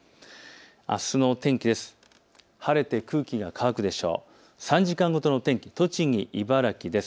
あすの天気です。